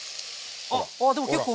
あっああでも結構。